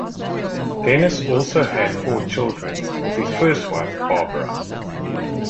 Dennis also had four children with his first wife Barbara.